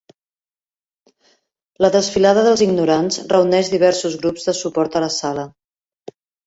La "Desfilada dels ignorants"reuneix diversos grups de suport a la sala.